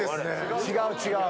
違う、違う。